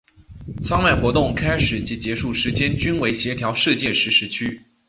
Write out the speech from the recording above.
舱外活动开始及结束时间均为协调世界时时区。